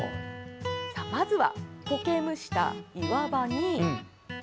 まずは、こけ生した岩場に。